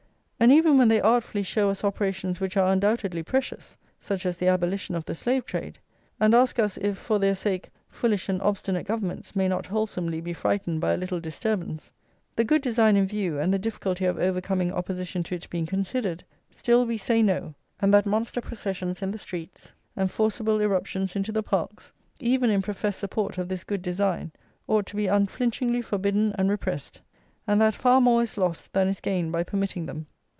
And even when they artfully show us operations which are undoubtedly precious, such as the abolition of the slave trade, and ask us if, for their sake, foolish and obstinate governments may not wholesomely be frightened by a little disturbance, the good design in view and the difficulty of overcoming opposition to it being considered, still we say no, and that monster processions in the streets and forcible irruptions into the parks, even in professed support of this good design, ought to be unflinchingly forbidden and repressed; and that far more is lost than is gained by permitting them.